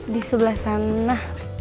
di sebelah sana